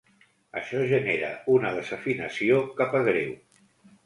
Això genera una desafinació cap a greu.